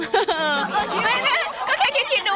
บางทีเค้าแค่อยากดึงเค้าต้องการอะไรจับเราไหล่ลูกหรือยังไง